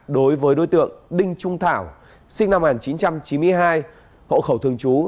đối với đối tượng đinh trung thảo sinh năm một nghìn chín trăm chín mươi hai hộ khẩu thường trú